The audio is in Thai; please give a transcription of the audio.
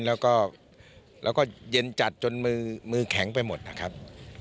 แล้วก็เย็นจัดจนมือแข็งไปหมดนะครับ